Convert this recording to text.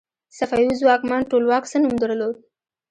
صفوي ځواکمن ټولواک څه نوم درلود؟